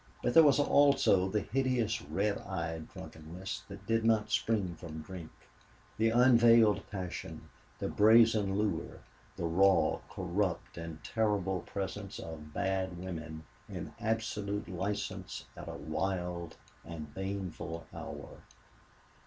But there was also the hideous, red eyed drunkenness that did not spring from drink; the unveiled passion, the brazen lure, the raw, corrupt, and terrible presence of bad women in absolute license at a wild and baneful hour.